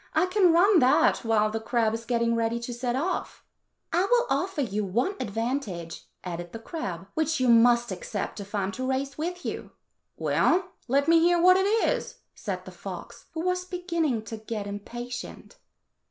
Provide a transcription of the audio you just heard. I can run that while the crab is getting ready to set off." "I will offer you one advantage," added the crab, "which you must accept if I am to race with you." "Well, let me hear what it is," said the fox, who was beginning to get impatient.